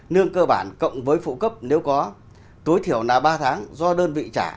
nương cơ bản cộng với phụ cấp nếu có tối thiểu là ba tháng do đơn vị trả